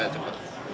ya habis subuh tadi